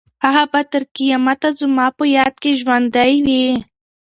هغه به تر قیامته زما په یاد کې ژوندۍ وي.